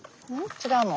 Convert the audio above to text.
違うの？